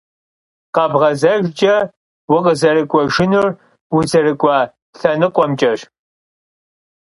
Khışıbğezejjç'e vukhızerık'uejjınur vuzerık'ua lhenıkhuemç'eş.